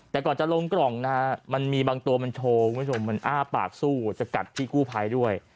แต่ก่อนจะลงกล่องนะฮะมันมีบางตัวมันโชว์คุณผู้ชมมันอ้าปากสู้สกัดพี่กู้ภัยด้วย